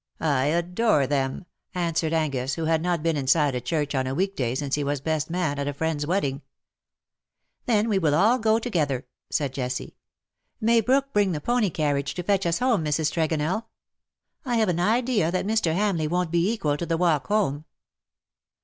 " I adore them/^ answered Angus, who had not been inside a church on a week day since he was best man at a friend's wedding. "' Then we will all go together," said Jessie. " May Brook bring the pony carriage to fetch us home, Mrs. Tregonell ? I have an idea that Mr. Hamleigh won't be equal to the walk home."